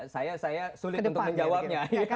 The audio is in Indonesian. saya sulit untuk menjawabnya